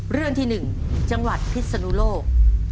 เรื่องที่หนึ่งจังหวัดพิษนุโลก